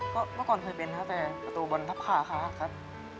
ก็เมื่อก่อนเคยเป็นครับแต่ประตูบอลทับขาครับ